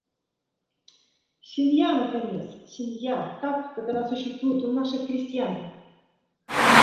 Семья наконец, семья, так, как она существует у наших крестьян!